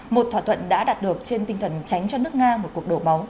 một thỏa thuận đã đạt được trên tinh thần tránh cho nước nga một cuộc đổ máu